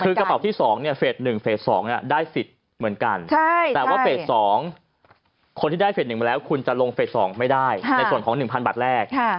คือกระเป๋าที่๒เฟส๑เฟส๒ได้สิทธิ์เหมือนกันแต่ว่าเฟส๒คนที่ได้เฟส๑มาแล้วคุณจะลงเฟส๒ไม่ได้ในส่วนของ๑๐๐บาทแรก